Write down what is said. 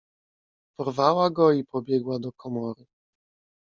"Porwała go i pobiegła do komory."